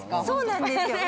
そうなんですよ。